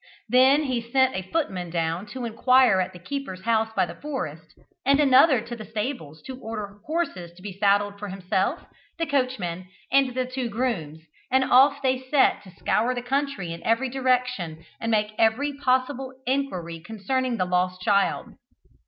Then he sent a footman down to enquire at the keeper's house by the forest, and another to the stables to order horses to be saddled for himself, the coachman, and the two grooms, and off they set to scour the country in every direction, and make every possible inquiry concerning the lost child.